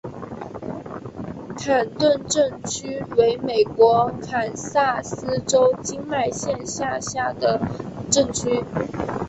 坎顿镇区为美国堪萨斯州金曼县辖下的镇区。